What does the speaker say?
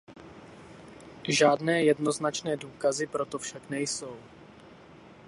Žádné jednoznačné důkazy pro to však nejsou.